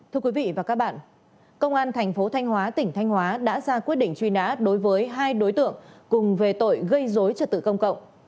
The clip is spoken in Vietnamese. thưa quý vị và các bạn công an thành phố thanh hóa tỉnh thanh hóa đã ra quyết định truy nã đối với hai đối tượng cùng về tội gây dối trật tự công cộng